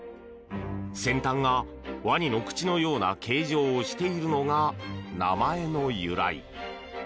先端がワニの口のような形状をしているのが名前の由来。